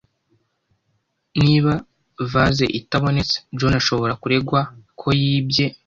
Niba vase itabonetse, John ashobora kuregwa ko yibye.